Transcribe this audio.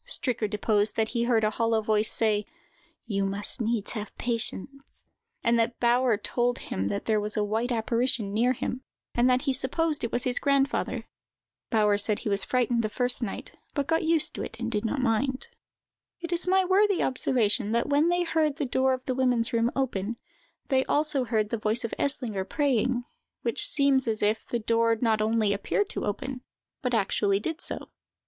Stricker deposed that he heard a hollow voice say: "You must needs have patience;" and that Bauer told him that there was a white apparition near him, and that he supposed it was his grandfather. Bauer said that he was frightened the first night, but got used to it and did not mind. It is worthy of observation, that when they heard the door of the women's room open, they also heard the voice of Eslinger praying, which seems as if the door not only appeared to open, but actually did so.